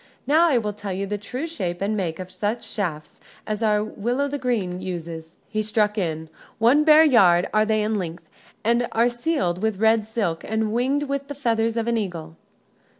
"Now I will tell you the true shape and make of such shafts as our Will o' th' Green uses," he struck in. "One bare yard are they in length, and are sealed with red silk, and winged with the feathers of an eagle."